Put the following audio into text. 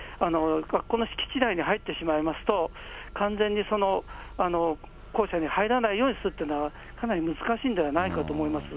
学校の敷地内に入ってしまいますと、完全に校舎に入らないようにするっていうのは、かなり難しいんではないかと思います。